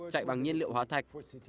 chạy bằng nhiên liệu hóa thạch